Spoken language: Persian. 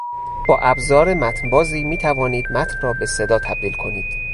با ابزار متنبازی میتوانید متن را به صدا تبدیل کنید.